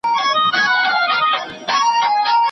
له منظور پښتین سره